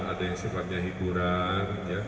ada yang sifatnya hiburan